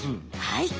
はい。